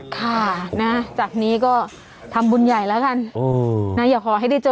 ครับจากนี้ก็ทำงจ